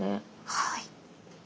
はい。